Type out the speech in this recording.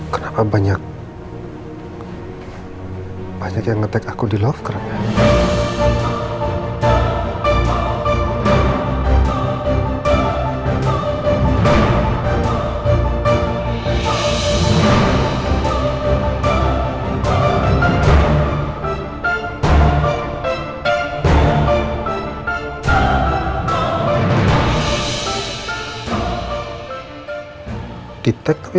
pembayaran sudah diterima ya kakak